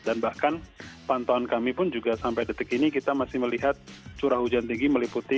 dan bahkan pantauan kami pun juga sampai detik ini kita masih melihat suruh hujan tinggi meliputi